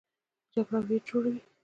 جګړه ویر جوړوي